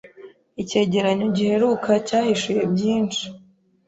Icyegeranyo giheruka cyahishuye byinshi